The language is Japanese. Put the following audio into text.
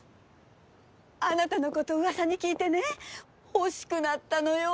あなたのこと噂に聞いてね欲しくなったのよ